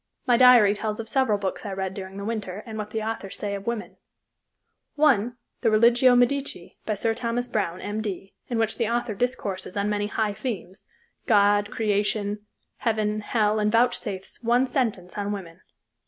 My diary tells of several books I read during the winter and what the authors say of women; one the "Religio Medici," by Sir Thomas Browne, M.D., in which the author discourses on many high themes, God, Creation, Heaven, Hell, and vouchsafes one sentence on woman.